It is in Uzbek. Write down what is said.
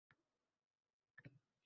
Chunki o’tgan kuni miyasi aynib